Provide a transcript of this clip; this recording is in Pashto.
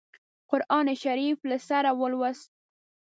قرآن شریف له سره ولووست.